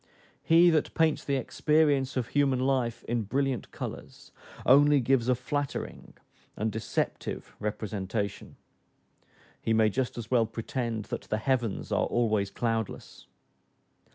He that paints the experience of human life in brilliant colors only gives a flattering and deceptive representation, he may just as well pretend that the heavens are always cloudless.